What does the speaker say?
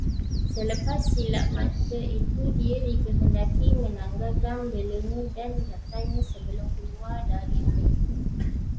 Selepas silap mata itu dia dikehendaki menanggalkan belenggu dan rantainya sebelum keluar dari air